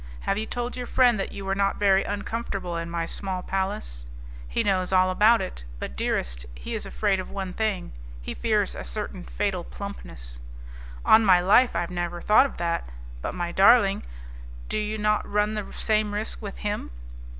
Have you told your friend that you were not very uncomfortable in my small palace?" "He knows all about it, but, dearest, he is afraid of one thing he fears a certain fatal plumpness...." "On my life, I never thought of that! But, my darling, do you not run the same risk with him?"